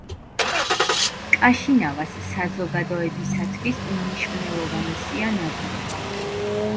კაშინავას საზოგადოებისათვის უმნიშვნელოვანესია ნადირობა.